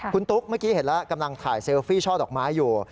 คุณตุ๊กเมื่อกี้เห็นแล้วกำลังถ่ายเซลฟี่ช่อดอกไม้อยู่